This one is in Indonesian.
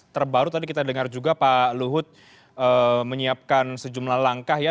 terbaru tadi kita dengar juga pak luhut menyiapkan sejumlah langkah ya